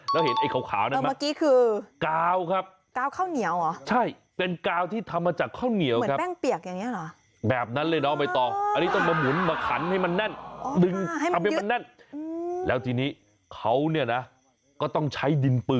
แล้วเห็นไอ้ขาวนั่นไหม